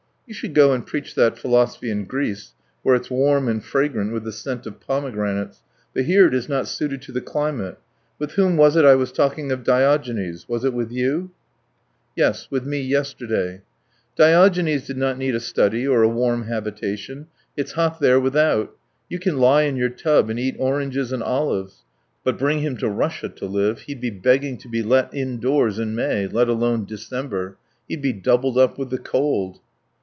"You should go and preach that philosophy in Greece, where it's warm and fragrant with the scent of pomegranates, but here it is not suited to the climate. With whom was it I was talking of Diogenes? Was it with you?" "Yes, with me yesterday." "Diogenes did not need a study or a warm habitation; it's hot there without. You can lie in your tub and eat oranges and olives. But bring him to Russia to live: he'd be begging to be let indoors in May, let alone December. He'd be doubled up with the cold."